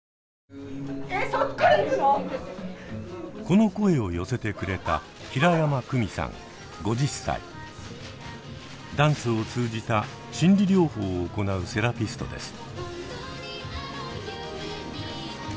この声を寄せてくれたダンスを通じた心理療法を行うセラピストです。